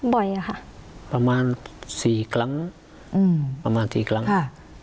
บ่อยอะค่ะประมาณสี่ครั้งอืมประมาณสี่ครั้งค่ะ